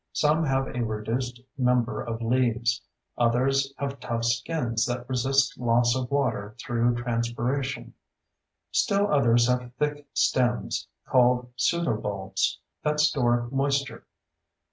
Some have a reduced number of leaves; others have tough skins that resist loss of water through transpiration; still others have thick stems, called pseudobulbs, that store moisture.